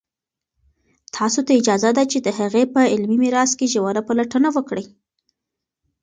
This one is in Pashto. تاسو ته اجازه ده چې د هغوی په علمي میراث کې ژوره پلټنه وکړئ.